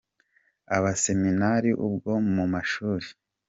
Abaseminari ubwo mu mashuri